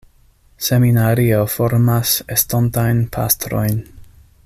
Seminario formas estontajn pastrojn.